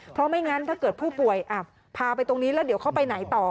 เพราะไม่งั้นถ้าเกิดผู้ป่วยพาไปตรงนี้